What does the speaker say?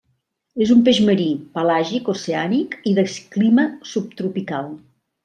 És un peix marí, pelàgic-oceànic i de clima subtropical.